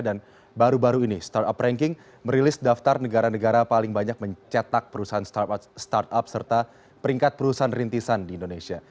dan baru baru ini startup ranking merilis daftar negara negara paling banyak mencetak perusahaan startup serta peringkat perusahaan rintisan di indonesia